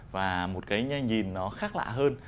và một cái nhìn nó khác lạ hơn